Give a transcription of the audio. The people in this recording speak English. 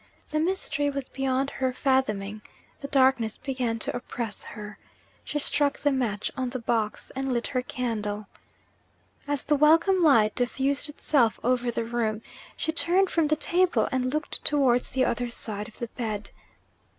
The mystery was beyond her fathoming: the darkness began to oppress her. She struck the match on the box, and lit her candle. As the welcome light diffused itself over the room, she turned from the table and looked towards the other side of the bed.